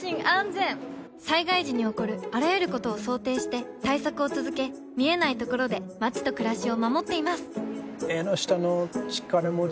災害時に起こるあらゆることを想定して対策を続け見えないところで街と暮らしを守っていますエンノシタノチカラモチ？